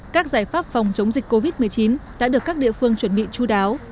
các giải pháp phòng chống dịch covid một mươi chín đã được các địa phương chuẩn bị chú đáo